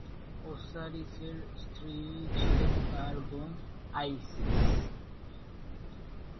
ওসাইরিসের স্ত্রী ছিলেন তার বোন আইসিস।